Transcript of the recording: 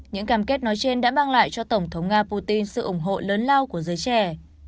những cam kết nói trên đã mang lại cho tổng thống nga putin sự ủng hộ lớn lao của giới trẻ